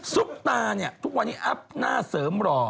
ซุปตาเนี่ยทุกวันนี้อัพหน้าเสริมหล่อ